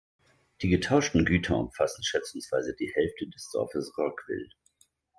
Die getauschten Güter umfassten schätzungsweise die Hälfte des Dorfes Roggwil.